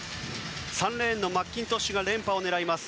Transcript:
３レーンのマッキントッシュが連覇を狙います。